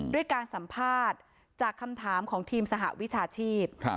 ด้วยการสัมภาษณ์จากคำถามของทีมสหวิชาชีพ